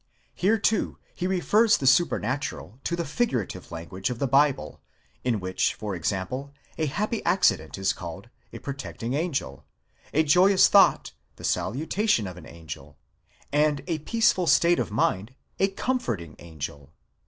Here too, he refers the supernatural to the figurative language of the Bible; in which, for example, a happy accident is called—a protecting angel ; a joyous thought—the salutation of an angel; and a peaceful state of mind—a comforting angel.